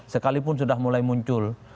sekalipun sudah mulai muncul